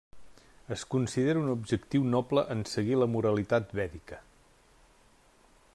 Es considera un objectiu noble en seguir la moralitat vèdica.